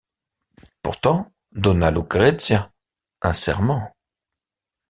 Pourtant, dona Lucrezia, un serment…